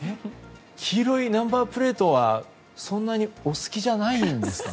黄色いナンバープレートはそんなにお好きじゃないんですかね。